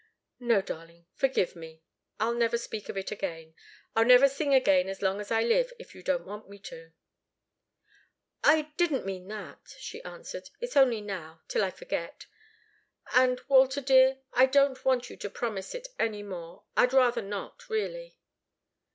"No, darling forgive me. I'll never speak of it again. I'll never sing again as long as I live, if you don't want me to." "I didn't mean that," she answered. "It's only now till I forget. And, Walter, dear I don't want you to promise it any more I'd rather not, really."